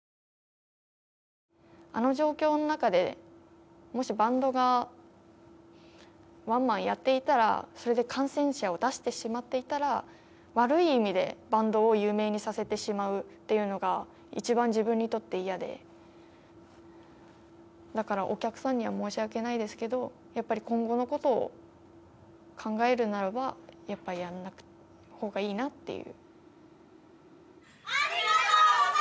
あの状況の中でもしバンドがワンマンやっていたらそれで感染者を出してしまっていたら悪い意味でバンドを有名にさせてしまうっていうのが一番自分にとって嫌でだからお客さんには申し訳ないですけどやっぱり今後のことを考えるならばやっぱやんない方がいいなっていうありがとうございました！